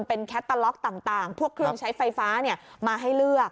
เป็นแคตตาล็อกต่างพวกเครื่องใช้ไฟฟ้ามาให้เลือก